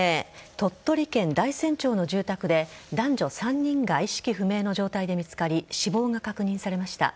鳥取県大山町の住宅で男女３人が意識不明の状態で見つかり死亡が確認されました。